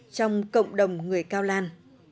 trong cộng đồng người cao lan